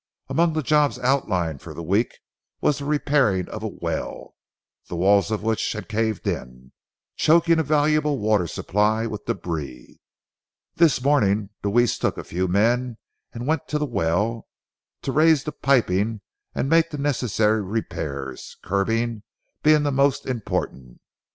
Among the jobs outlined for the week was the repairing of a well, the walls of which had caved in, choking a valuable water supply with débris. This morning Deweese took a few men and went to the well, to raise the piping and make the necessary repairs, curbing being the most important.